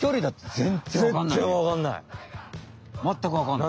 全くわかんない。